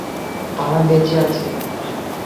তারা বেচে আছে।